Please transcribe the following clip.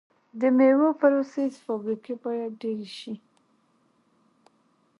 د میوو پروسس فابریکې باید ډیرې شي.